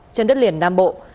trên đất liền nam bộ